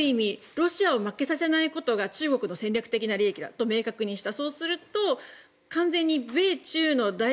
ロシアを負けさせないことが中国の戦略的な利益だと明確にした。